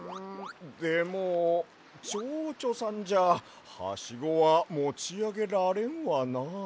でもちょうちょさんじゃハシゴはもちあげられんわな。